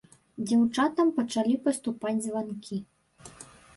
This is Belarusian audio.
Дзяўчатам пачалі паступаць званкі.